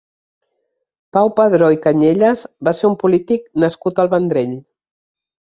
Pau Padró i Cañellas va ser un polític nascut al Vendrell.